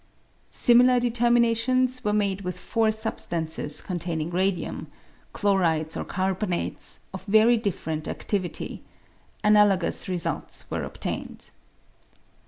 Similar determinations were made with four substances containing radium (chlorides or carbonates) of very different adivity ; analogous results were obtained.